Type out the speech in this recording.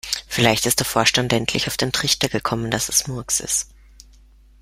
Vielleicht ist der Vorstand endlich auf den Trichter gekommen, dass es Murks ist.